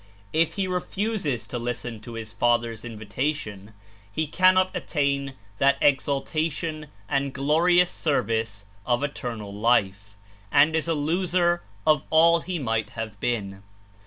If he refuses to listen to his Father's Invitation, he cannot attain that exalta tion and glorious service of "Eternal Life," and Is a loser of all he might have been.